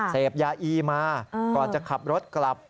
เสพยาอีมาก่อนจะขับรถกลับ